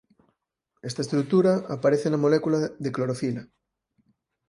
Esta estrutura aparece na molécula de clorofila.